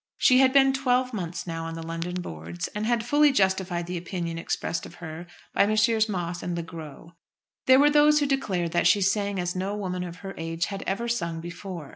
She had been twelve months now on the London boards, and had fully justified the opinion expressed of her by Messrs. Moss and Le Gros. There were those who declared that she sang as no woman of her age had ever sung before.